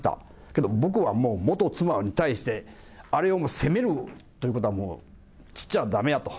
けど、僕はもう元妻に対して、あれを責めるということはもうしちゃだめやと。